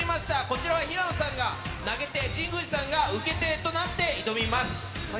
こちらは平野さんが投げ手、神宮寺さんが受け手となって挑みます。